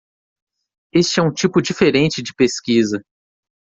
Este é um tipo diferente de pesquisa.